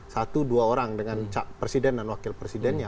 satu dua orang dengan presiden dan wakil presidennya